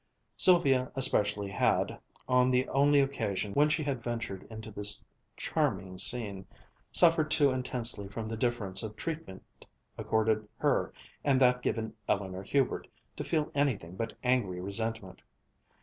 Sylvia especially had, on the only occasion when she had ventured into this charming scene, suffered too intensely from the difference of treatment accorded her and that given Eleanor Hubert to feel anything but angry resentment.